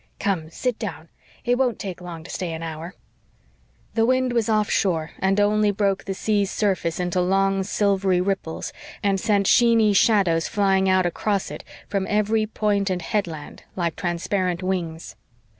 Come, sit down. It won't take long to stay an hour." The wind was off shore, and only broke the sea's surface into long, silvery ripples, and sent sheeny shadows flying out across it, from every point and headland, like transparent wings.